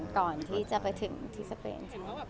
ก่อนที่จะไปถึงที่สเปน